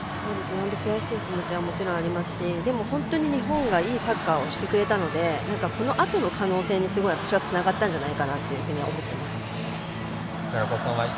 悔しい気持ちはもちろんありますしでも本当に日本がいいサッカーをしてくれたのでこのあとの可能性に私は、つながったんじゃないかなと思っています。